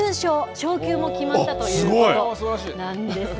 昇級も決まったということなんですよ。